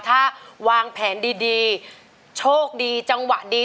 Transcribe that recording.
ถ้าวางแผนดีโชคดีจังหวะดี